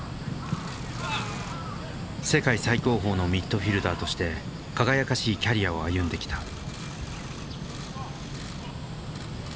世界最高峰のミッドフィルダーとして輝かしいキャリアを歩んできた。